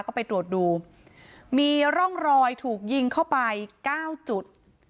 ก็ไปตรวจดูมีร่องรอยถูกยิงเข้าไปเก้าจุด